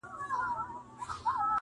یو څه سیالي د زمانې ووینو!.